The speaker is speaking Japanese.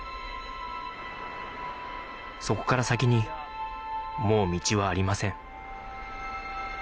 そこから先にもう道はありません